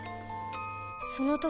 その時